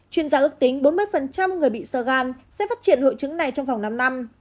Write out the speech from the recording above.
chuyên gia ước tính bốn mươi người bị sơ gan sẽ phát triển hội chứng này trong vòng năm năm